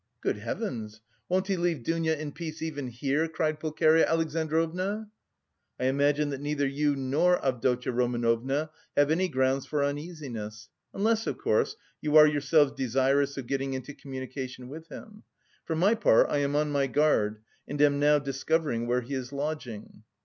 "Good heavens! won't he leave Dounia in peace even here?" cried Pulcheria Alexandrovna. "I imagine that neither you nor Avdotya Romanovna have any grounds for uneasiness, unless, of course, you are yourselves desirous of getting into communication with him. For my part I am on my guard, and am now discovering where he is lodging."